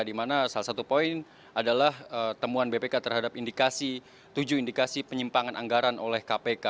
di mana salah satu poin adalah temuan bpk terhadap indikasi tujuh indikasi penyimpangan anggaran oleh kpk